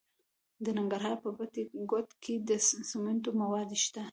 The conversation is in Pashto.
د ننګرهار په بټي کوټ کې د سمنټو مواد شته.